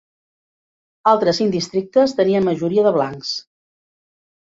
Altres cinc districtes tenien majoria de blancs.